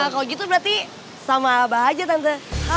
kalau gitu berarti sama abah aja tante